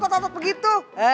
kenapa lo begitu